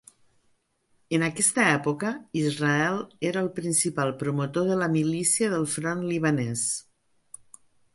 En aquesta època, Israel era el principal promotor de la milícia del Front Libanès.